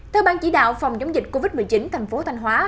theo ban chỉ đạo phòng giống dịch covid một mươi chín thành phố thanh hóa